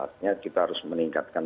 artinya kita harus meningkatkan